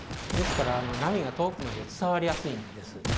ですから、波が遠くまで伝わりやすいんです。